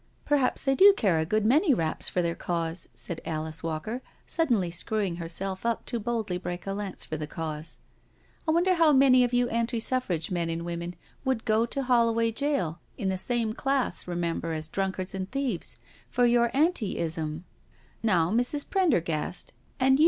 " Perhaps they do care a good many raps for their Cause," said Alice Walker, suddenly screwing herself up to boldly break a lance for the Cause. " I wonder how many of you Anti Suffrage men and women would go to Holloway jail, in the same class, remember, as drunkards and thieves — for your Anti ism I Now, Mrs. Prendergast, and you.